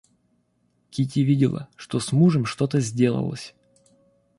Кити видела, что с мужем что-то сделалось.